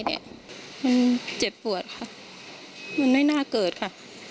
มันเจ็บปวดค่ะมันไม่น่าเกิดค่ะ